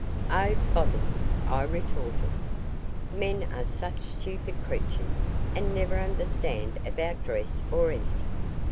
"Oh, bother you!" I retorted. "Men are such stupid creatures, and never understand about dress or anything.